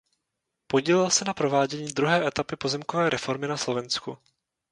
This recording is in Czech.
Podílel se na provádění druhé etapy pozemkové reformy na Slovensku.